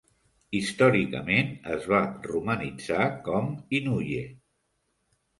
Històricament, es va romanitzar com "Inouye".